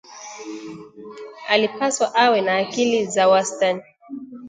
Alipaswa awe na akili za wastani